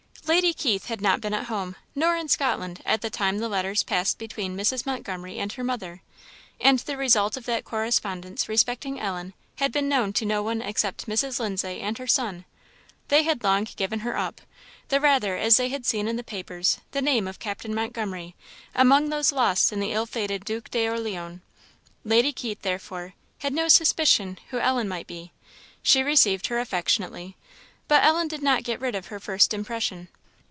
Lady Keith had not been at home, nor in Scotland, at the time the letters passed between Mrs. Montgomery and her mother, and the result of that correspondence respecting Ellen had been known to no one except Mrs. Lindsay and her son. They had long given her up, the rather as they had seen in the papers the name of Captain Montgomery among those lost in the ill fated Duc d'Orleans. Lady Keith, therefore, had no suspicion who Ellen might be. She received her affectionately, but Ellen did not get rid of her first impression.